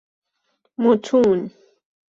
متون